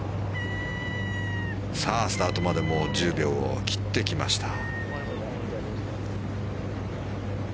スタートまで１０秒を切ってきました。